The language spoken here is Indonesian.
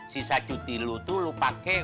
sisa cuti lu tuh lu pake